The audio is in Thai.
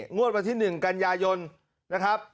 งวดวันที่๑กันยายนนะครับ